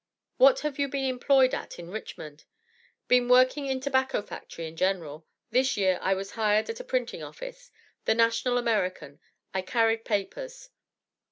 "What have you been employed at in Richmond?" "Been working in tobacco factory in general; this year I was hired at a printing office. The National American. I carried papers."